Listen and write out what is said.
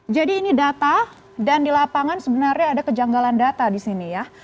jadi ini data dan di lapangan sebenarnya ada kejanggalan data di sini ya